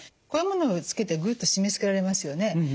こういうものをつけてグッと締めつけられますよね。